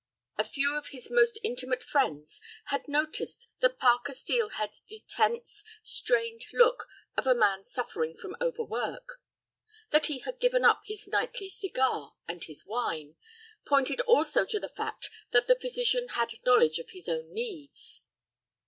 A few of his most intimate friends had noticed that Parker Steel had the tense, strained look of a man suffering from overwork. That he had given up his nightly cigar and his wine, pointed also to the fact that the physician had knowledge of his own needs.